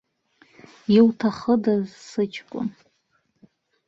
Иуҭахыдаз сыҷкәын?